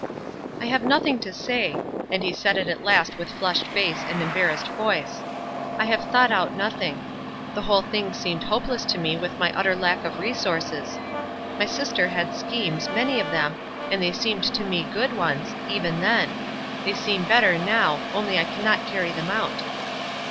"I have nothing to say," and he said it at last with flushed face and embarrassed voice; "I have thought out nothing. The whole thing seemed hopeless to me with my utter lack of resources. My sister had schemes, many of them, and they seemed to me good ones, even then; they seem better now, only I cannot carry them out."